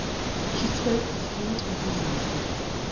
She spoke with fluent enthusiasm.